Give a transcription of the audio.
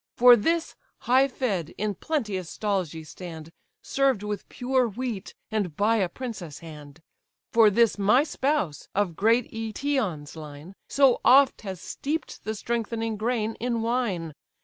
For this, high fed, in plenteous stalls ye stand, Served with pure wheat, and by a princess' hand; For this my spouse, of great Aëtion's line, So oft has steep'd the strengthening grain in wine.